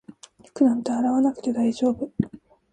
服なんて洗わなくて大丈夫